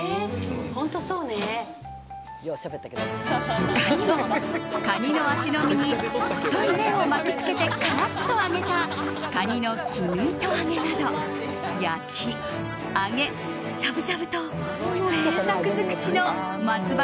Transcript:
他にもカニの脚の身に細い麺を巻き付けてカラッと揚げたカニの絹糸揚げなど焼き、揚げ、しゃぶしゃぶと贅沢尽くしの松葉